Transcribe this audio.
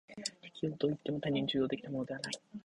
適応といっても単に受動的なものでない。